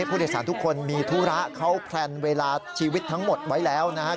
ผู้โดยสารทุกคนมีธุระเขาแพลนเวลาชีวิตทั้งหมดไว้แล้วนะครับ